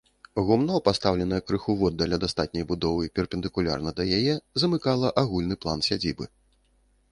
Гумно, пастаўленае крыху воддаль ад астатняй будовы, перпендыкулярна да яе, замыкала агульны план сядзібы.